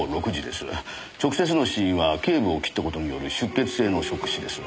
直接の死因は頸部を切った事による出血性のショック死です。